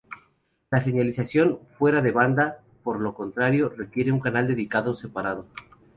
La señalización "fuera de banda", por el contrario, requiere un canal dedicado separado.